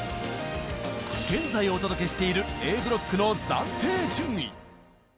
現在お届けしているＡブロックの暫定順位。